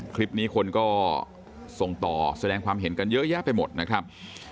คลิปนี้คนก็ส่งต่อแสดงความเห็นกันเยอะแยะไปหมดนะครับ